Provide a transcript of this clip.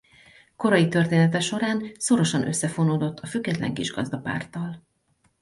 Korai története során szorosan összefonódott a Független Kisgazdapárttal.